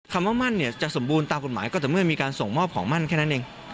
คำว่ามั่นเนี่ยจะสมบูรณ์ตามกฎหมายก็แต่เมื่อมีการส่งมอบของมั่นแค่นั้นเอง